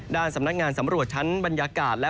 สำนักงานสำรวจชั้นบรรยากาศและ